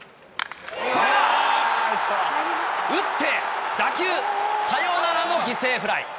これが打って、打球、サヨナラの犠牲フライ。